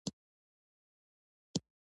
افغانستان د ډېرو اقلیمونو لرونکی یو هېواد دی.